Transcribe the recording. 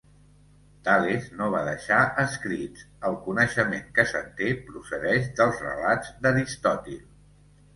Tales no va deixar escrits; el coneixement que se'n té procedeix dels relats d'Aristòtil.